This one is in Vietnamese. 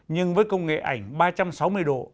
nhưng với công nghệ ảnh ba trăm sáu mươi độ